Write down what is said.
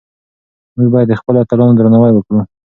موږ باید د خپلو اتلانو درناوی وکړو.